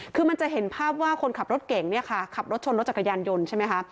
คือมันจะเห็นภาพว่าคนขับรถเก่งเนี่ยค่ะขับรถชนรถจักรยานยนต์ใช่ไหมคะ